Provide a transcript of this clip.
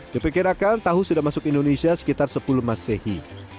dipikirkan tahu sudah masuk ke indonesia sekitar sepuluh masehi